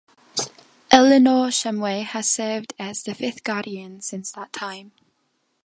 Eleanor Shumway has served as the fifth Guardian since that time.